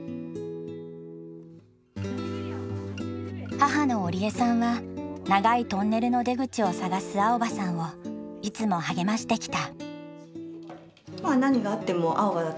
母の織江さんは長いトンネルの出口を探す蒼葉さんをいつも励ましてきた。